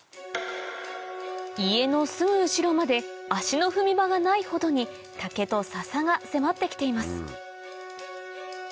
家のすぐ後ろまで足の踏み場がないほどに竹と笹が迫って来ています